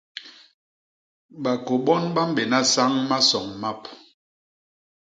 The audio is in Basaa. Bakô bon ba mbéna sañ masoñ map.